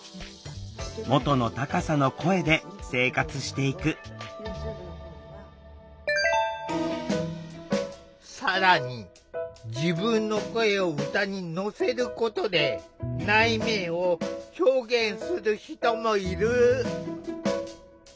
元の高さの声で生活していく更に自分の声を歌に乗せることで内面を表現する人もいる。